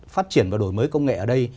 phát triển và đổi mới công nghệ ở đây